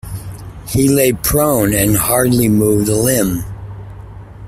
He lay prone and hardly moved a limb.